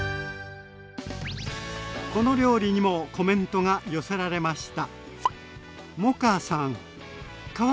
この料理にもコメントが寄せられました。